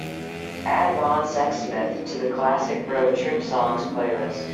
Add ron sexsmith to the classic road trip songs playlist.